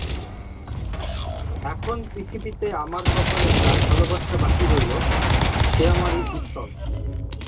এখন পৃথিবীতে আমার কপালে যার ভালোবাসা বাকি রইল সে আমার এই পিস্তল।